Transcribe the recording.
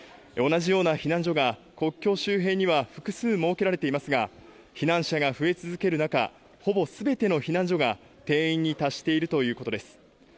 同じような避難所が国境周辺には複数設けられていますが、避難者が増え続ける中、ほぼすべての避難所が定員に達しているということです。